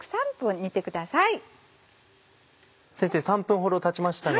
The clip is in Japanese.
先生３分ほどたちましたが。